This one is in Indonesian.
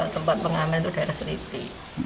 tempat pengamen itu daerah seliti